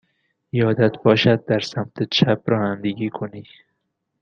یادت باشد در سمت چپ رانندگی کنی.